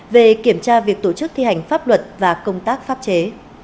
về kiểm tra việc tổ chức thi hành pháp luật và công tác pháp chế